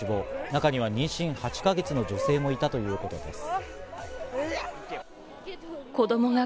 中には妊娠８か月の女性もいたということです。